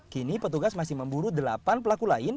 kini petugas masih memburu delapan pelaku lain